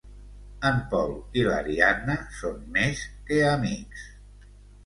En Pol i l'Ariadna són més que amics.